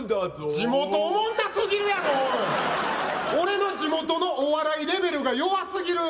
地元おもんなすぎるやろ、俺の地元のお笑いレベルが弱すぎる。